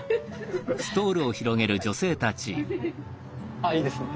あいいですね。